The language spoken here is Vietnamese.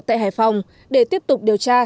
tại hải phòng để tiếp tục điều tra